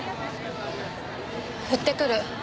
売ってくる。